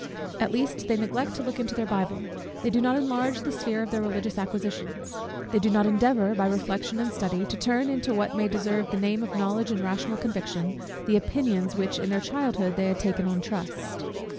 At least they neglect to look into their Bible; they do not enlarge the sphere of their religious acquisitions; they do not even endeavour, by reflection and study, to turn into what may deserve the name of knowledge and rational conviction, the opinions which, in their childhood, they had taken on trust.